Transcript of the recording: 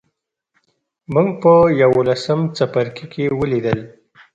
موږ په یوولسم څپرکي کې ولیدل.